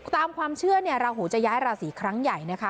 ตามความเชื่อเนี่ยราหูจะย้ายราศีครั้งใหญ่นะคะ